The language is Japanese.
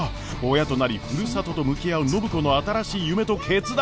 親となりふるさとと向き合う暢子の新しい夢と決断とは！？